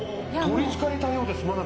取りつかれたようです